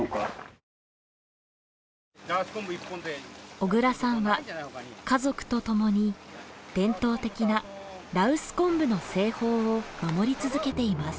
小倉さんは家族と共に伝統的な羅臼昆布の製法を守り続けています。